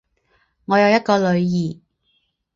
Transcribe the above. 我有一个女儿